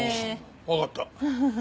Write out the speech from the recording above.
わかった。